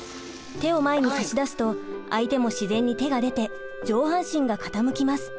手を前に差し出すと相手も自然に手が出て上半身が傾きます。